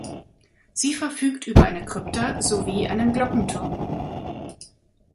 Sie verfügt über eine Krypta sowie einen Glockenturm.